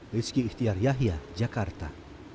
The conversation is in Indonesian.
rizky ihtiar yahya jakarta